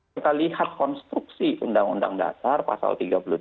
kita lihat konstruksi undang undang dasar pasal tiga puluh tujuh